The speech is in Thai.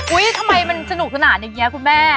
ทำไมมันสนุกสนานอย่างนี้คุณแม่